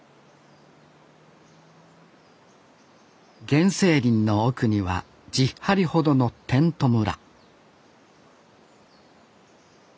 原生林の奥には１０張ほどのテント村